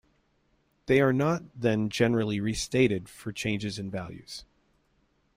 They are not then generally restated for changes in values.